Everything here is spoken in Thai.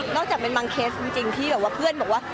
นอกจากเป็นบางเคสจริงที่เพื่อนบอกว่า